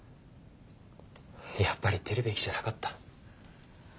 やっぱり出るべきじゃなかった。